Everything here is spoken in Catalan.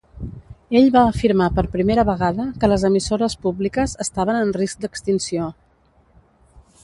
Ell va afirmar per primera vegada que les emissores públiques estaven en risc d'extinció.